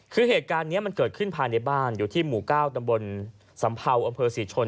คือเหตุการณ์นี้มันเกิดขึ้นภายในบ้านอยู่ที่หมู่๙ตำบลสำเภาอำเภอศรีชน